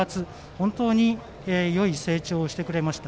本当によい成長をしてくれました。